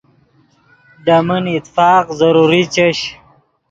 لے من اتفاق ضروری چش